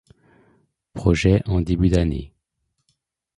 Project en début d'année.